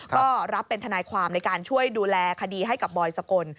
ก็รับเป็นทนายความในการช่วยดูแลคดีให้กับบอยสกล